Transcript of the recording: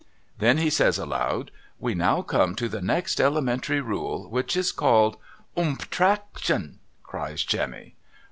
Then he says aloud, ' We now come to the next elementary rule, •— which is called '' Umtraction !' cries Jemmy.